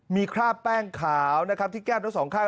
มีคราบแป้งขาวนะครับที่แก้มทั้งสองข้าง